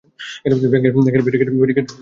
Barricade সবার জন্য।